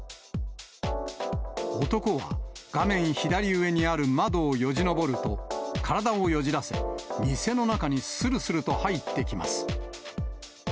男は画面左上にある窓をよじ登ると、体をよじらせ、店の中にするすると入ってきます。